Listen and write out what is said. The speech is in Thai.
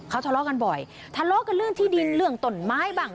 เขาทะเลาะกันบ่อยทะเลาะกันเรื่องที่ดินเรื่องตนไม้บ้าง